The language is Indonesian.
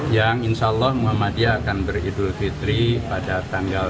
yang insya allah muhammadiyah akan beridul fitri pada tanggal dua puluh